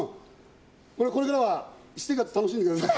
これからは私生活を楽しんでください。